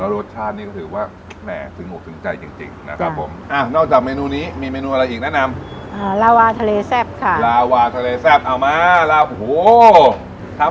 แล้วรสชาตินี้ก็ถือว่าแหมสนุกสนใจจริงนะครับผม